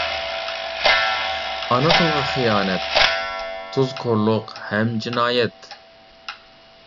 ئانا تىلغا خىيانەت، تۇز كورلۇق ھەم جىنايەت.